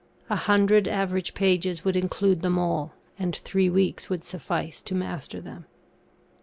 A hundred average pages would include them all; and three weeks would suffice to master them.